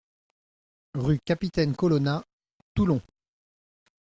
Rue Capitaine Colonna, Toulon